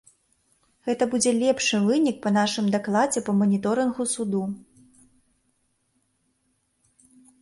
Гэта будзе лепшы вынік па нашым дакладзе па маніторынгу суду.